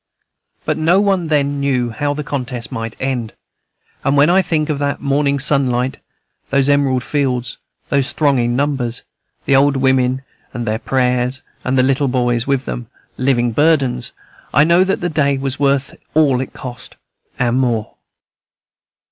But no one then knew how the contest might end; and when I think of that morning sunlight, those emerald fields, those thronging numbers, the old women with their prayers, and the little boys with them: living burdens, I know that the day was worth all it cost, and more.